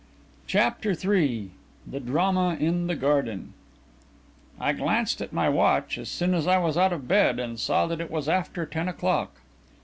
CHAPTER III THE DRAMA IN THE GARDEN I glanced at my watch, as soon as I was out of bed, and saw that it was after ten o'clock.